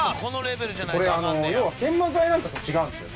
これ要は研磨剤なんかとは違うんですよ。